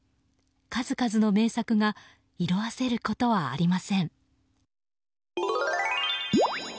数々の名作が色あせることはありません。